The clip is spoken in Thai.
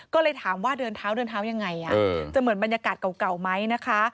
ก็เลยถามว่าเดินเท้าเดินเท้ายังไงจะเหมือนบรรยากาศเก่าไหมนะคะ